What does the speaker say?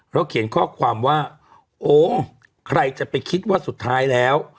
เขียนข้อความว่าโอ้ใครจะไปคิดว่าสุดท้ายแล้ว